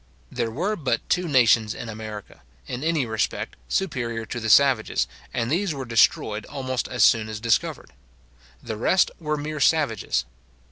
There were but two nations in America, in any respect, superior to the savages, and these were destroyed almost as soon as discovered. The rest were mere savages.